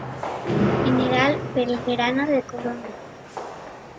General Belgrano de Coronda.